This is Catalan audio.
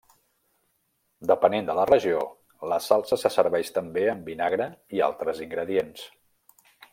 Depenent de la regió, la salsa se serveix també amb vinagre i altres ingredients.